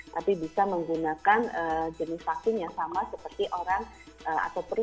tapi bisa menggunakan jenis vaksin yang sama seperti orang ataupun perempuan yang tidak hamil